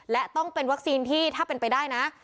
และต้องเป็นวัคซีนที่ถ้าเป็นไปได้นะ